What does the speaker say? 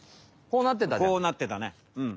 こうなってたね。